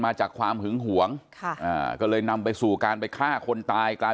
มาจากความหึงหวงค่ะอ่าก็เลยนำไปสู่การไปฆ่าคนตายกลาย